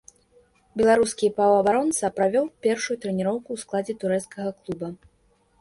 Беларускі паўабаронца правёў першую трэніроўку ў складзе турэцкага клуба.